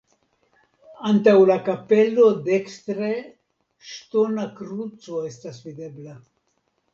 Antaŭ la kapelo dekstre ŝtona kruco estas videbla.